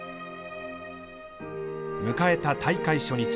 迎えた大会初日。